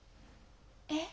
えっ？